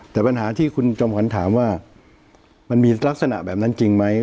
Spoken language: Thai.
แต่ปัญหาที่คุณจอมขวัญถามว่ามันมีลักษณะแบบนั้นจริงไหม